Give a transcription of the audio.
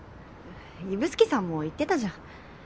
指宿さんも言ってたじゃん。